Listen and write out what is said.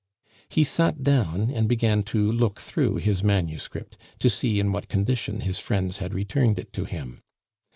He sat down and began to look through his manuscript, to see in what condition his friends had returned it to him.